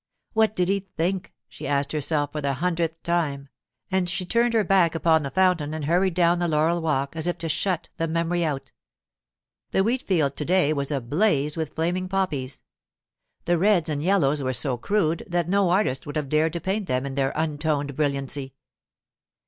What did he think? she asked herself for the hundredth time; and she turned her back upon the fountain and hurried down the laurel walk as if to shut the memory out. The wheat field to day was ablaze with flaming poppies. The reds and yellows were so crude that no artist would have dared to paint them in their untoned brilliancy.